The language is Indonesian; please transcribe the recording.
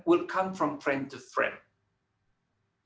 akan datang dari tempat ke tempat